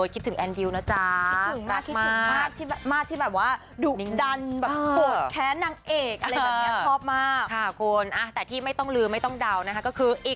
คิดถึงแอนดริวนะจ้ะมากมากคิดถึงมาก